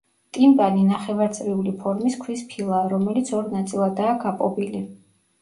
ტიმპანი ნახევარწრიული ფორმის ქვის ფილაა, რომელიც ორ ნაწილადაა გაპობილი.